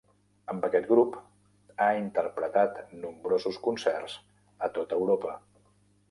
Amb aquest grup ha interpretat nombrosos concerts a tot Europa.